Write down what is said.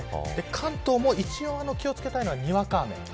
関東も、一応気を付けたいのはにわか雨です。